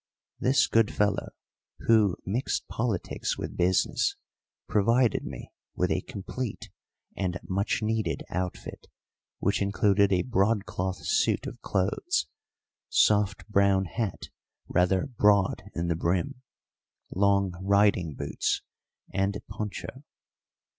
This good fellow, who mixed politics with business, provided me with a complete and much needed outfit, which included a broadcloth suit of clothes, soft brown hat rather broad in the brim, long riding boots, and poncho.